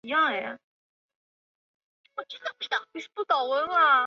现场的指挥人员为高级消防区长和消防区长。